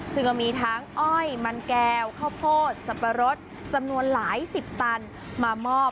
ซึ่งก็มีทั้งอ้อยมันแก้วข้าวโพดสับปะรดจำนวนหลายสิบตันมามอบ